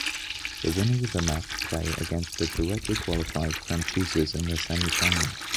The winners of this match play against the directly qualified franchises in the semifinal.